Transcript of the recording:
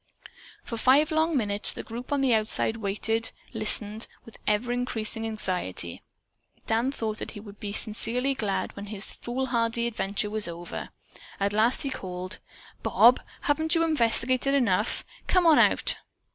For a long five minutes the group on the outside waited, listening with ever increasing anxiety. Dan thought that he would be sincerely glad when this foolhardy adventure was over. At last he called: "Bob, haven't you investigated enough? Come on out!"